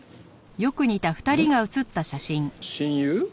親友？